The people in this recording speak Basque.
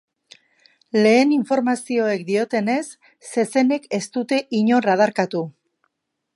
Lehen informazioek diotenez, zezenek ez dute inor adarkatu.